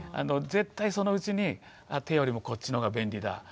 絶対そのうちに手よりもこっちの方が便利だ。